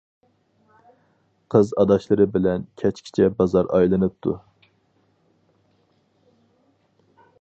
قىز ئاداشلىرى بىلەن كەچكىچە بازار ئايلىنىپتۇ.